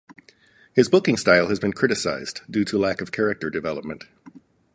His booking style has been criticized due to lack of character development.